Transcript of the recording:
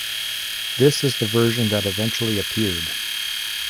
This is the version that eventually appeared.